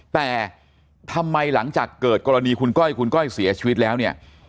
แต่ทำไมหลังจากเกิดกรณีคุณก้อยคุณก้อยเสียชีวิตแล้วเนี่ย